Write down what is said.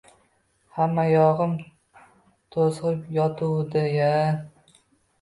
Hammayog‘im to‘zg‘ib yotuvdi-ya...